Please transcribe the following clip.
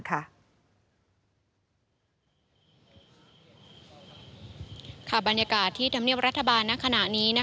บรรยากาศที่ธรรมเนียบรัฐบาลณขณะนี้